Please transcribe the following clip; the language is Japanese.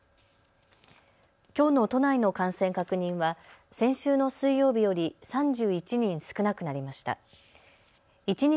きょうの都内の感染確認は先週の水曜日より３１人少なくなりました。